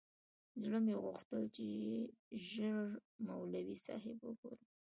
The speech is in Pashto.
زړه مې غوښتل چې ژر مولوي صاحب وگورم.